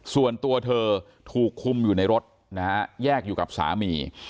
ส่วนตัวเธอถูกคุมอยู่ในรถนะฮะแยกอยู่กับสามี